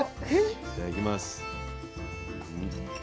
いただきます。